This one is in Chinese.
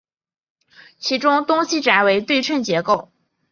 其中东西斋为对称结构。